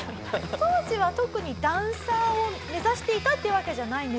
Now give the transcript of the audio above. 当時は特にダンサーを目指していたっていうわけじゃないんですよね。